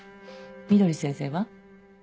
みどり先生は？